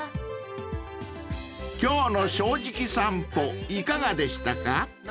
［今日の『正直さんぽ』いかがでしたか？］